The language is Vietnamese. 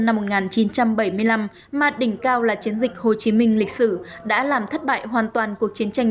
năm một nghìn chín trăm bảy mươi năm mà đỉnh cao là chiến dịch hồ chí minh lịch sử đã làm thất bại hoàn toàn cuộc chiến tranh